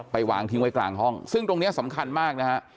วางทิ้งไว้กลางห้องซึ่งตรงนี้สำคัญมากนะฮะ